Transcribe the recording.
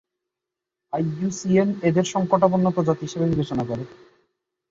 IUCN এদেরকে সংকটাপন্ন প্রজাতি হিসেবে বিবেচনা করে।